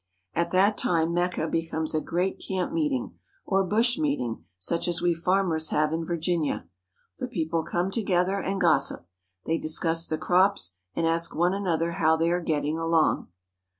At that time Mecca becomes a great camp meeting or bush meeting, such as we farmers have in Virginia. The people come together and gossip. They discuss the crops and ask one another how they are getting along.